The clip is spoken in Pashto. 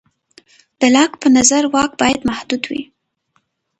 د لاک په نظر واک باید محدود وي.